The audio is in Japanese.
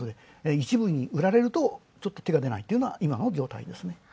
一部に売られるとちょっと手が出ないのが今の状態ですね。